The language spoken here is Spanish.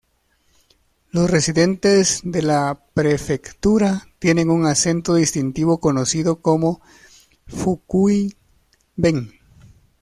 Los residentes de la prefectura tienen un acento distintivo conocido como Fukui-ben.